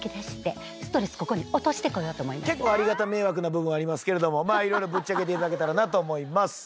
結構ありがた迷惑な部分ありますけれども色々ぶっちゃけていただけたらなと思います。